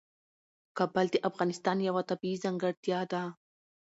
کابل د افغانستان یوه طبیعي ځانګړتیا ده.